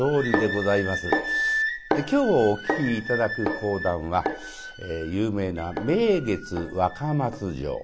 今日お聴き頂く講談は有名な「名月若松城」。